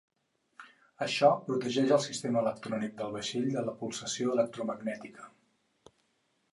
Això protegeix el sistema electrònic del vaixell de la pulsació electromagnètica.